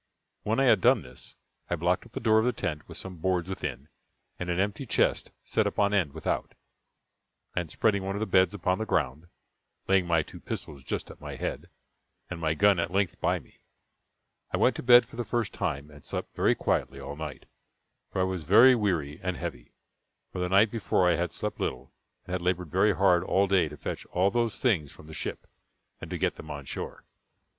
When I had done this, I blocked up the door of the tent with some boards within, and an empty chest set up on end without; and spreading one of the beds upon the ground, laying my two pistols just at my head, and my gun at length by me, I went to bed for the first time, and slept very quietly all night, for I was very weary and heavy; for the night before I had slept little, and had labored very hard all day to fetch all those things from the ship, and to get them on shore.